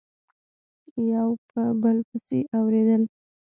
یو په بل پسي اوریدل